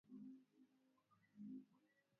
katika kufufua uchumi wa taifa